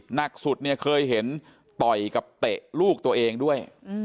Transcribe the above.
หนักสุดเนี่ยเคยเห็นต่อยกับเตะลูกตัวเองด้วย